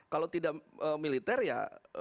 kalau tidak militer ya